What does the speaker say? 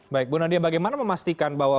baik bu nadia bagaimana memastikan bahwa